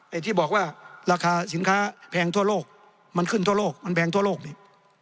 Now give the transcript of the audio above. ไอ้ที่บอกว่าราคาสินค้าแพงทั่วโลกมันขึ้นทั่วโลกมันแพงทั่วโลกนี่